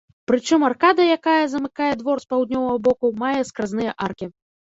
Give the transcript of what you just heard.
Прычым аркада, якая замыкае двор з паўднёвага боку мае скразныя аркі.